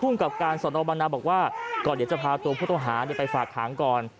กับการสนบังนาบอกว่าก่อนเดี๋ยวจะพาตัวผู้ต้องหาไปฝากหางก่อน